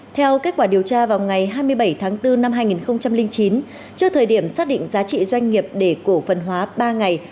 theo kết quả điều tra vào ngày hai mươi bảy tháng bốn năm hai nghìn chín trước thời điểm xác định giá trị doanh nghiệp để cổ phần hóa ba ngày